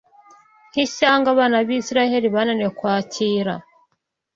Nk’ishyanga, abana b’Isirayeli bananiwe kwakira